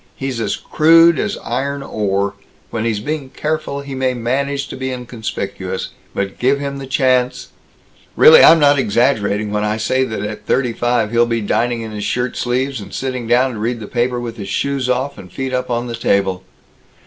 He's as crude as iron ore. When he's being careful, he may manage to be inconspicuous, but give him the chance "Really, I'm not exaggerating when I say that at thirty five he'll be dining in his shirt sleeves, and sitting down to read the paper with his shoes off and feet up on the table.